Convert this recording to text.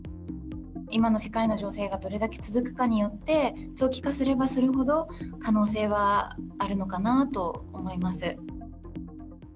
今の世界の情勢がどれだけ続くかによって、長期化すればするほど、可能性はあるのかなと思います。